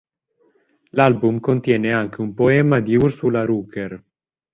L'album contiene anche un poema di Ursula Rucker.